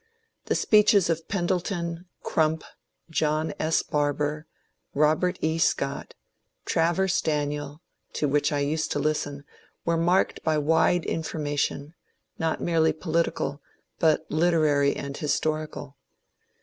The speeches of Pendleton, Crump, John S. Barbour, Robert E. Scott, Travers Daniel, to which I used to listen, were marked by wide information, not merely political, but literary and historical.